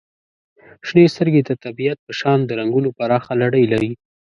• شنې سترګې د طبیعت په شان د رنګونو پراخه لړۍ لري.